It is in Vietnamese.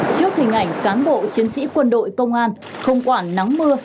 trước hình ảnh cán bộ chiến sĩ quân đội công an không quản nắng mưa